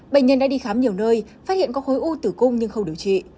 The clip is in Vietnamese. bệnh nhân đã đi khám nhiều nơi phát hiện có khối u tử cung nhưng không điều trị